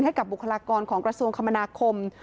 ให้กับบุคลากรของกระทรวงคมนาคม